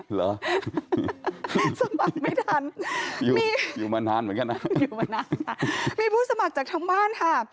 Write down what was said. เหรอสมัครไม่ทันอยู่อยู่มานานเหมือนกันนะอยู่มานานมีผู้สมัครจากทางบ้านค่ะ